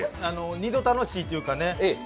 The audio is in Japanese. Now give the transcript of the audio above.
２度、楽しいっていうかね。